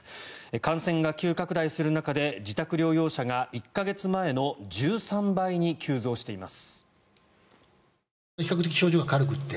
感染が急拡大する中で自宅療養者が１か月前の１３倍に急増しています。